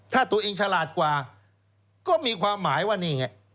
ถ้าตัวเองฉลาดกว่าก็มีความหมายว่านี่ไง